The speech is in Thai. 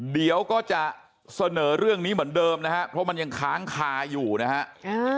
เดี๋ยวก็จะเสนอเรื่องนี้เหมือนเดิมนะฮะเพราะมันยังค้างคาอยู่นะฮะ